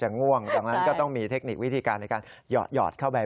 ง่วงดังนั้นก็ต้องมีเทคนิควิธีการในการหยอดเข้าไป